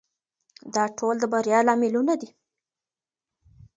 دا ټول د بریا لاملونه دي.